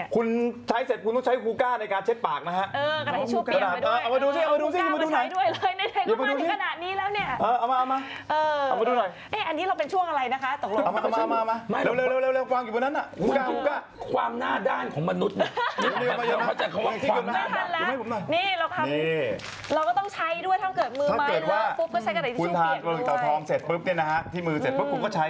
คุณใช้เสร็จคุณต้องใช้คูก้าในการเช็ดปากนะฮะ